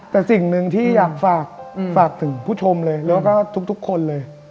แต่สิ่งหนึ่งที่อยากฝากถึงผู้ชมเลยแล้วก็ทุกคนเลย